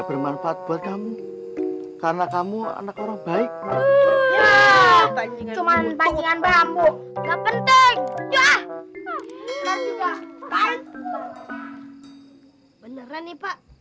bermanfaat buat kamu karena kamu anak orang baik ya cuman bambu gak penting ya beneran nih pak